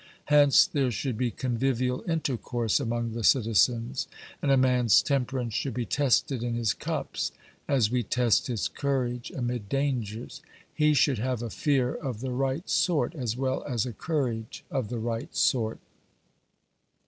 Hence there should be convivial intercourse among the citizens, and a man's temperance should be tested in his cups, as we test his courage amid dangers. He should have a fear of the right sort, as well as a courage of the right sort.